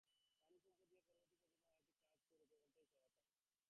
পানিসম্পদ নিয়ে পরবর্তী প্রজন্মে আরও মানুষ কাজ করুক, এমনটাই চাওয়া তাঁর।